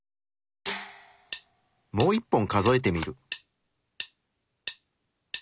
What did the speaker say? もう一本数えてみる。